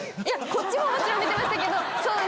こっちも見てましたけど。